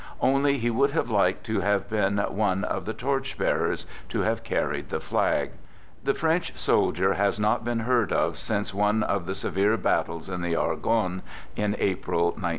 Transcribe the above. Only he would have liked to have been one of the torch bearers, to have carried the flag. The French soldier has not been heard of since one of the severe battles in the Argonne, in April, 1915.